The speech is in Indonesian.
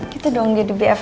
gitu dong jadi bff